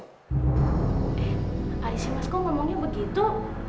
eh alisnya mas kok ngomongnya begitu